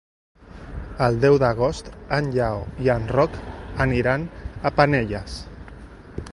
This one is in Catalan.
El deu d'agost en Lleó i en Roc aniran a Penelles.